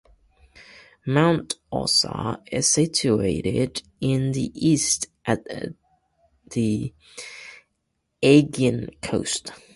Mount Ossa is situated in the east, at the Aegean coast.